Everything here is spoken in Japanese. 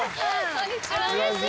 こんにちは。